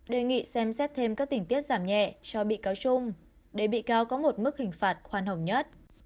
đề nghị xem xét thêm các tỉnh tiết giảm nhẹ cho bị cáo trung để bị cáo có một mức hình phạt khoan hồng nhất